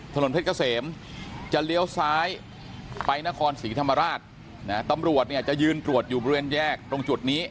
ถนนเพชรเกษมจะเลี้ยวซ้ายไปนครศรีธรรมราชตำรวจเนี่ยจะยืนตรวจอยู่บริเวณแยกตรงจุดนี้